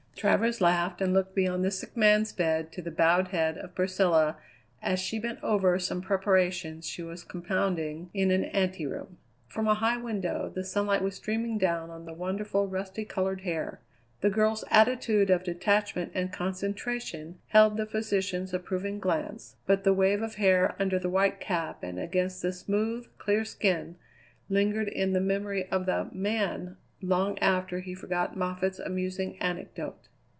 Travers laughed and looked beyond the sick man's bed to the bowed head of Priscilla as she bent over some preparation she was compounding in an anteroom. From a high window the sunlight was streaming down on the wonderful rusty coloured hair. The girl's attitude of detachment and concentration held the physician's approving glance, but the wave of hair under the white cap and against the smooth, clear skin lingered in the memory of the man long after he forgot Moffatt's amusing anecdote.